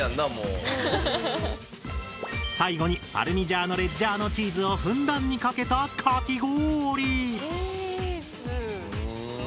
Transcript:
最後にパルミジャーノレッジャーノチーズをふんだんにかけたかき氷！